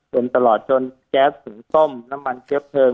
จนตลอดจนแก๊วสูงส้มน้ำมันเค๊้าเผิง